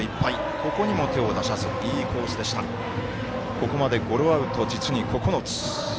ここまでゴロアウト、実に９つ。